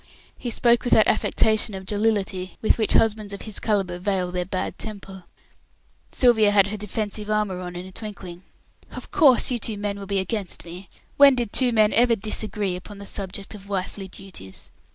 He spoke with that affectation of jollity with which husbands of his calibre veil their bad temper. Sylvia had her defensive armour on in a twinkling. "Of course, you two men will be against me. When did two men ever disagree upon the subject of wifely duties?